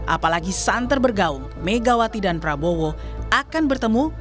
apalagi santer bergaung megawati dan prabowo akan bertemu